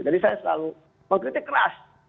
jadi saya selalu mengkritik keras